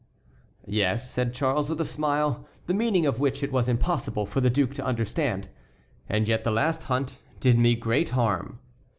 "Yes," said Charles, with a smile, the meaning of which it was impossible for the duke to understand, "and yet the last hunt did me great harm."